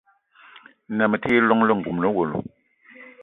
Ma me ti yi llong lengouna le owono.